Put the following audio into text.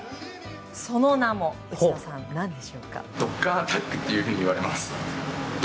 その名も内田さん、何でしょうか。